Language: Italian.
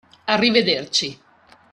Arrivederci.